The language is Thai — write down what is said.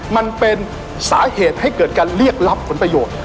มันเป็นสาเหตุให้เกิดการเรียกรับผลประโยชน์